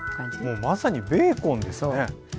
もうまさにベーコンですね。